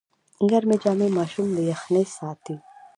ګرمې جامې ماشوم له یخنۍ ساتي۔